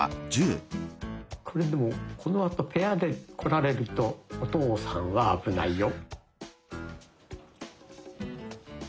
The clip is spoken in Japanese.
これでもこのあとペアで来られるとお父さんは危ないよ。